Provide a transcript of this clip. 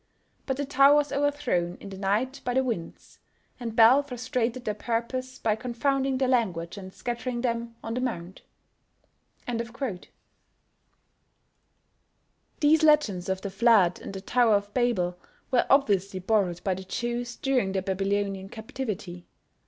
But the tower was overthrown in the night by the winds, and Bel frustrated their purpose by confounding their language and scattering them on the mound. These legends of the Flood and the Tower of Babel were obviously borrowed by the Jews during their Babylonian captivity.